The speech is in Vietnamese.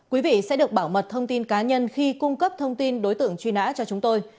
quý vị sẽ được bảo mật thông tin cá nhân khi cung cấp thông tin đối tượng truy nã cho chúng tôi